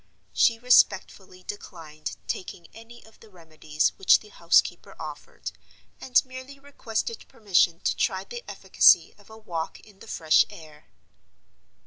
She respectfully declined taking any of the remedies which the housekeeper offered, and merely requested permission to try the efficacy of a walk in the fresh air.